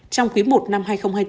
trong quý i năm hai nghìn hai mươi bốn